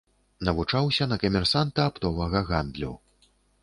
Навучаўся на камерсанта аптовага гандлю.